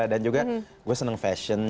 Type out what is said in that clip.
dan juga gue seneng fashion